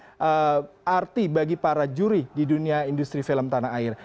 dan tidak pernah mendapatkan arti bagi para juri di dunia industri film tanah air